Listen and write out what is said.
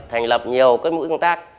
thành lập nhiều mũi công tác